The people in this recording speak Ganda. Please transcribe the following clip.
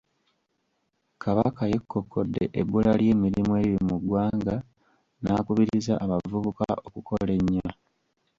Kabaka yeekokkodde ebbula ly’emirimu eriri mu ggwanga n’akubiriza abavubuka okukola ennyo.